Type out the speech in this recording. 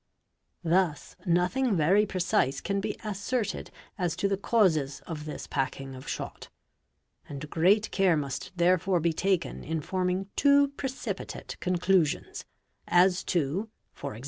Thus nothing very precise can H t ; i i d E 2 be asserted as to the causes of this packing of shot; and great care must : therefore be taken in forming too precipitate conclusions, as to, e.g.